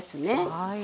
はい。